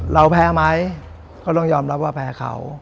เราแพ้ไหมก็ต้องยอมรับว่าแพ้เขา